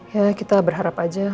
ya kita berharap aja